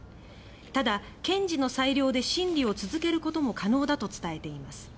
ただ、検事の裁量で審理を続けることも可能だと伝えています。